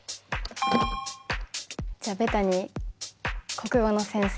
じゃあベタに国語の先生。